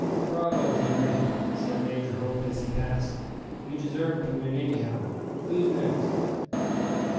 "Bravo, Henri!" said Major Hope as he passed; "you deserve to win, anyhow. Who's next?"